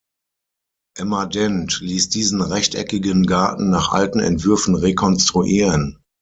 Emma Dent ließ diesen rechteckigen Garten nach alten Entwürfen rekonstruieren.